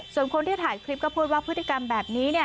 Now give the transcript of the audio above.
ส่วนคนที่ถ่ายคลิปก็พูดว่าพฤติกรรมแบบนี้เนี่ย